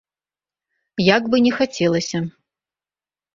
Як бы не хацелася.